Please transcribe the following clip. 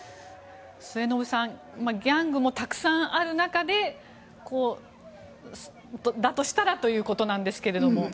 末延さんギャングもたくさんある中でだとしたらということなんですけども。